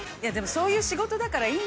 そういう仕事だからいい。